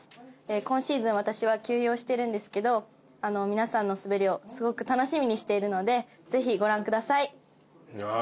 今シーズン私は休養してるんですけど皆さんの滑りをすごく楽しみにしているのでぜひご覧ください。